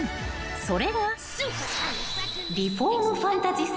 ［それが］